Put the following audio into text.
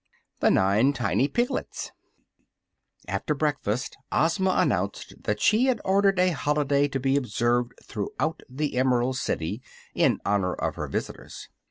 THE NINE TINY PIGLETS After breakfast Ozma announced that she had ordered a holiday to be observed throughout the Emerald City, in honor of her visitors.